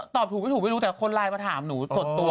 ตอบถูกไม่ถูกไม่รู้แต่คนไลน์มาถามหนูกดตัว